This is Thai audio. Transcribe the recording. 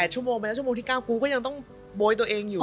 ชั่วโมงไปแล้วชั่วโมงที่๙กูก็ยังต้องโบยตัวเองอยู่